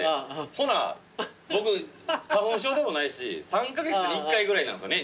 ほな僕花粉症でもないし３カ月に１回ぐらいなんすよね